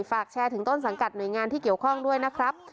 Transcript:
ฝากแชร์ถึงต้นสังกัดหน่วยงานที่เกี่ยวข้องด้วยนะครับ